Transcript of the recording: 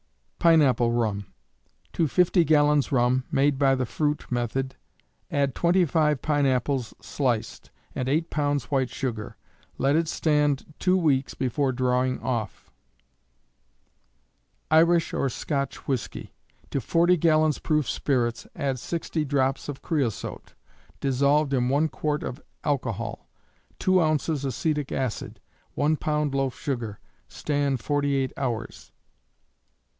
Pine Apple Rum. To 50 gallons rum, made by the fruit method, add 25 pine apples sliced, and 8 pounds white sugar. Let it stand two weeks before drawing off. Irish or Scotch Whiskey. To 40 gallons proof spirits, add 60 drops of creosote, dissolved in 1 quart of alcohol; 2 oz. acetic acid; 1 pound loaf sugar. Stand 48 hours.